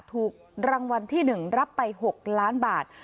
ถูกรางวัลที่๑รับไป๖ล้านบาท